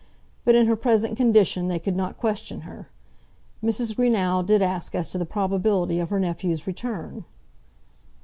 But in her present condition they could not question her. Mrs. Greenow did ask as to the probability of her nephew's return.